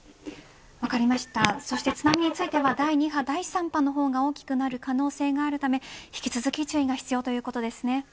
津波については、第２波第３波の方が大きくなる可能性があるため引き続き注意が必要ということですね。